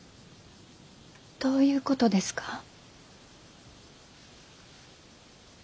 どういうことですか？